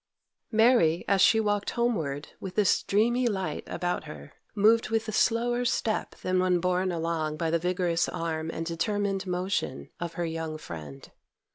Mary, as she walked homeward with this dreamy light about her, moved with a slower step than when borne along by the vigorous arm and determined motion of her young friend.